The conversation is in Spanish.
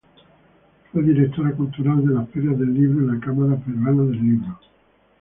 Fue Directora Cultural de las Ferias de Libros en la Cámara Peruana del Libro.